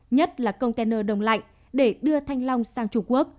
nhất là container đông lạnh để đưa thanh long sang trung quốc